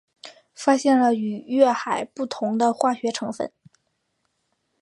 发现了与月海不同的化学成分。